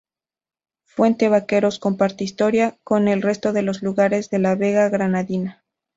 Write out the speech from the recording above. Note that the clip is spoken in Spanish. Fuente Vaqueros comparte historia con el resto de los lugares de la Vega granadina.